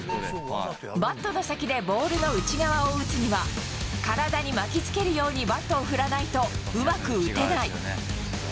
バットの先でボールの内側を打つには、体に巻きつけるようにバットを振らないと、うまく打てない。